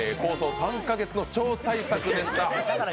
３か月の超大作でした。